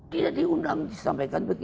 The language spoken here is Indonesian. tidak diundang disampaikan begini